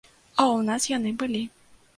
А ў нас яны былі.